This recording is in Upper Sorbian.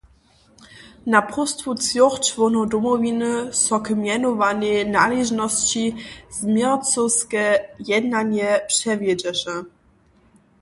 Na próstwu třoch čłonow Domowiny so k mjenowanej naležnosći změrcowske jednanje přewjedźeše.